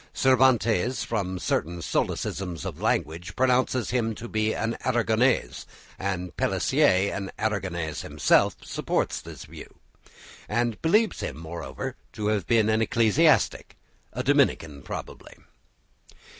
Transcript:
Cervantes from certain solecisms of language pronounces him to be an Aragonese, and Pellicer, an Aragonese himself, supports this view and believes him, moreover, to have been an ecclesiastic, a Dominican probably.